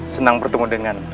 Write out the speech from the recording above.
senang bertemu dengan